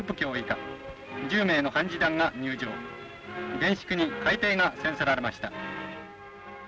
厳粛に開廷が宣せられました」。